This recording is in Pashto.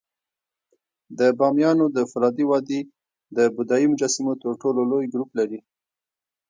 د بامیانو د فولادي وادي د بودایي مجسمو تر ټولو لوی ګروپ لري